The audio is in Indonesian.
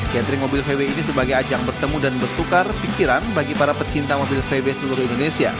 catering mobil vw ini sebagai ajang bertemu dan bertukar pikiran bagi para pecinta mobil vw seluruh indonesia